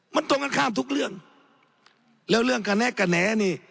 มันตรงกันข้ามทุกเรื่องแล้วเรื่องกระแนะกระแหนนี่